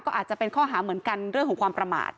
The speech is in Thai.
ก็อาจจะเป็นข้อหาเหมือนกันเรื่องของความประมาท